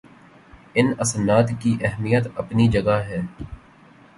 ان اسناد کی اہمیت اپنی جگہ ہے